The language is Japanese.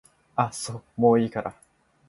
あっそもういいから